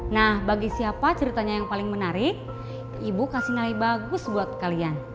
nah bagi siapa ceritanya yang paling menarik ibu kasih nilai bagus buat kalian